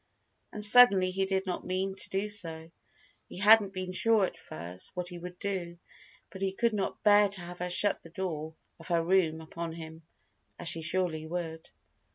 And suddenly he did not mean to do so. He hadn't been sure, at first, what he would do: but he could not bear to have her shut the door of her room upon him, as she surely would.